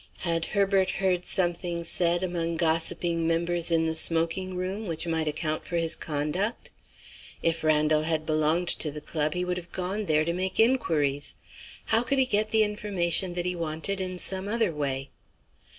Had Herbert heard something said, among gossiping members in the smoking room, which might account for his conduct? If Randal had belonged to the club he would have gone there to make inquiries. How could he get the information that he wanted, in some other way?